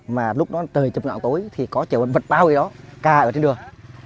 mà lúc đó trời chụp ngạo tối thì có chèo vật bao gì đó cà ở trên đường